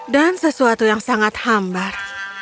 dan sesuatu yang sangat hambar